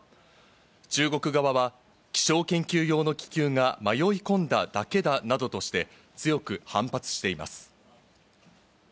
中国側は気象研究用の気球が迷い込んだだけだなどとして、強く反発しています。